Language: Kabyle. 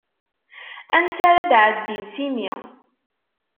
Ansi ara d-ɛeddin s imi.